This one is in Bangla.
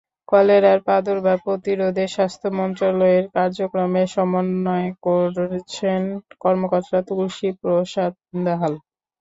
কলেরার প্রাদুর্ভাব প্রতিরোধে স্বাস্থ্য মন্ত্রণালয়ের কার্যক্রমের সমন্বয় করছেন কর্মকর্তা তুলসী প্রসাদ দাহাল।